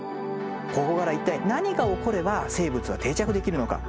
ここから一体何が起これば生物は定着できるのか。